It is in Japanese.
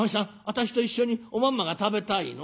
私と一緒におまんまが食べたいの？」。